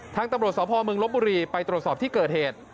ตำรวจสพเมืองลบบุรีไปตรวจสอบที่เกิดเหตุ